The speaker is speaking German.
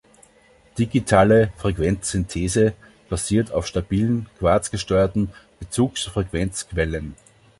Digitale Frequenzsynthese basiert auf stabilen, quarzgesteuerten Bezugsfrequenzquellen.